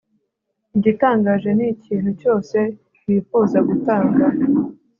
Igitangaje ni ikintu cyose bifuza gutanga